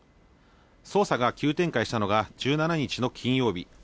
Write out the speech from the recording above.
捜査が急展開したのが１７日の金曜日。